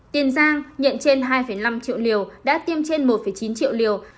tiền giang nhận trên hai năm triệu liều đã tiêm trên một chín triệu liều